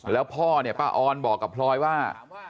แล้วพ่อป้าออนบอกกับพรอยว่า